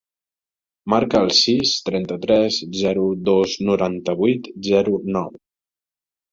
Marca el sis, trenta-tres, zero, dos, noranta-vuit, zero, nou.